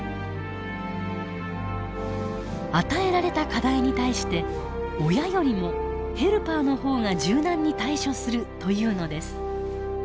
与えられた課題に対して親よりもヘルパーのほうが柔軟に対処するというのです。